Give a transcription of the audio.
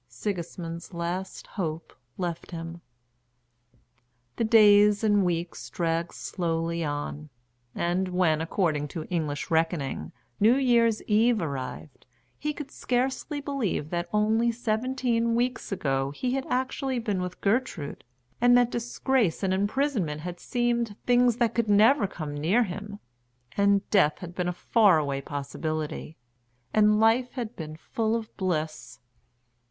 Sigismund's last hope left him. The days and weeks dragged slowly on, and when, according to English reckoning, New Year's Eve arrived, he could scarcely believe that only seventeen weeks ago he had actually been with Gertrude, and that disgrace and imprisonment had seemed things that could never come near him, and death had been a far away possibility, and life had been full of bliss.